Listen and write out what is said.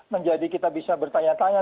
menjadi kita bisa bertanya tanya